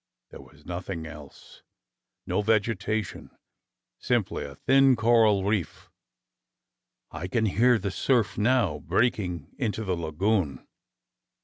^ There was nothing else. No vegetation, simply a thin coral reef. I can hear the surf now breaking into the lagoon.